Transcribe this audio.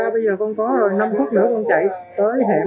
bây giờ con có rồi năm phút nữa con chạy tới